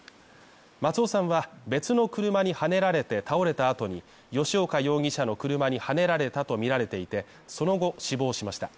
松尾さんは別の車にはねられて倒れた後に吉岡容疑者の車にはねられたとみられていて、その後、死亡しました。